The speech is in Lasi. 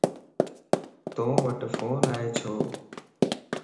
تووٽ فون ائي ڇو؟